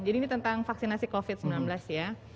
jadi ini tentang vaksinasi covid sembilan belas ya